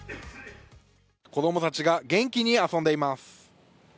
子供たちが元気に遊んでいます。